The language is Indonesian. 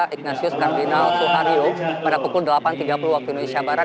ignatius kardinal sutario pada pukul delapan tiga puluh waktu indonesia barat